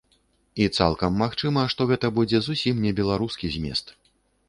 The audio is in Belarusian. І цалкам магчыма, што гэта будзе зусім не беларускі змест.